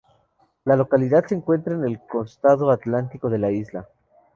La localidad se encuentra en el costado Atlántico de la isla.